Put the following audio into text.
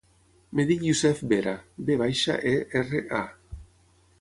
Em dic Yousef Vera: ve baixa, e, erra, a.